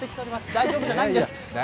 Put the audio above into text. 大丈夫じゃないんです。